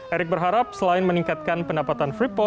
erick berharap selain meningkatkan pendapatan freeport